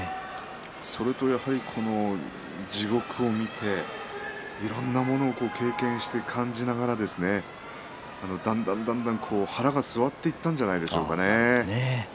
それとやはり地獄を見ていろんなものを経験して感じながらだんだんだんだん腹が据わっていったんじゃないでしょうかね。